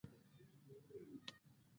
سکواټوران د اسټرالیا مشران شول.